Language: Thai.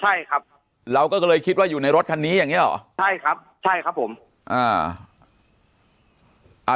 ใช่ครับเราก็เลยคิดว่าอยู่ในรถคันนี้อย่างเงี้เหรอใช่ครับใช่ครับผมอ่า